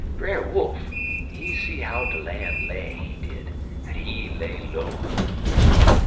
Brer Wolf, he see how de lan' lay, he did, en he lay low.